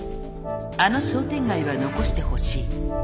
「あの商店街は残してほしい」